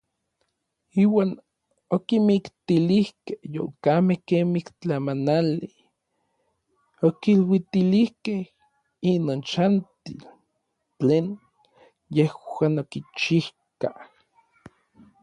Iuan okimiktilijkej yolkamej kemij tlamanali, okiluitilijkej inon xantil tlen yejuan okichijkaj.